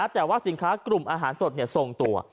แต่ว่าสินค้ากลุ่มอาหารสดทรงตัว